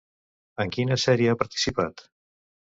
En quina sèrie ha participat?